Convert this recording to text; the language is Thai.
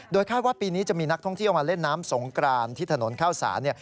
คาดว่าปีนี้จะมีนักท่องเที่ยวมาเล่นน้ำสงกรานที่ถนนข้าวสาร